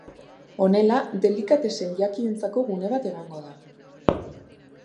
Honela, delicatessen jakientzako gune bat egongo da.